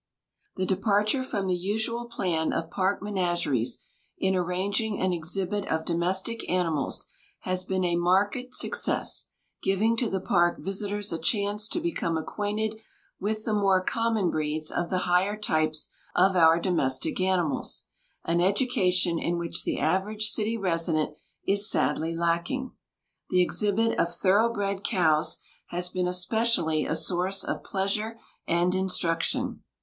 The departure from the usual plan of park menageries in arranging an exhibit of domestic animals has been a marked success, giving to the park visitors a chance to become acquainted with the more common breeds of the higher types of our domestic animals, an education in which the average city resident is sadly lacking. The exhibit of thoroughbred cows has been especially a source of pleasure and instruction.